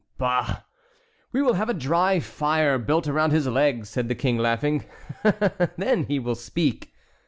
"Bah! we will have a dry fire built around his legs," said the King, laughing, "then he will speak."